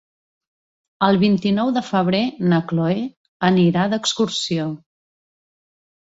El vint-i-nou de febrer na Chloé anirà d'excursió.